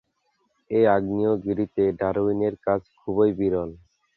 এই আগ্নেয়গিরিতে ডারউইনের কাচ খুবই বিরল।